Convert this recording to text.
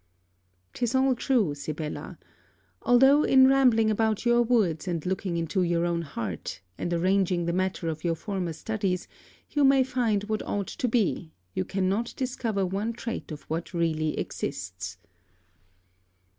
'Tis all true, Sibella: although, in rambling about your woods, and looking into your own heart, and arranging the matter of your former studies, you may find what ought to be, you cannot discover one trait of what really exists.